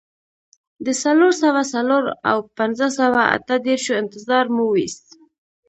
د څلور سوه څلور او پنځه سوه اته دیرشو انتظار مو وېست.